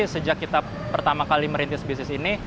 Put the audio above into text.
sejak kita pertama kali merintis bisnis ini